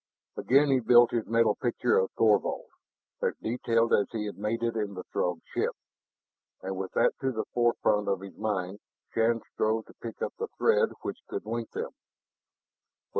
Again he built his mental picture of Thorvald, as detailed as he had made it in the Throg ship. And with that to the forefront of his mind, Shann strove to pick up the thread which could link them.